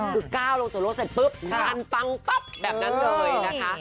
คือก้าวลงจากรถเสร็จปุ๊บทานปังปั๊บแบบนั้นเลยนะคะ